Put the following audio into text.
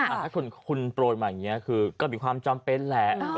ถ้าคุณโปรยมาอย่างนี้คือก็มีความจำเป็นแหละ